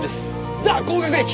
ザ・高学歴！